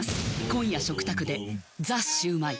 今夜食卓で「ザ★シュウマイ」